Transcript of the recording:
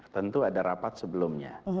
tentu ada rapat sebelumnya